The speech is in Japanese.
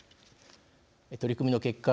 取り組みの結果